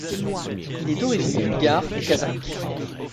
Il est d'origine bulgare et kazakhe.